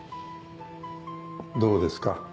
どうですか？